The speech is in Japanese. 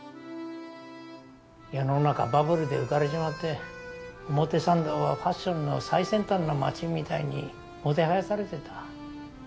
世の中バブルで浮かれちまって表参道はファッションの最先端の街みたいにもてはやされてた。